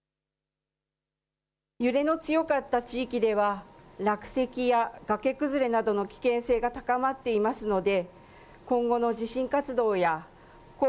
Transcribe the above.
揺れの強かった地域では、落石や崖崩れのなどの危険性が高まっていますので。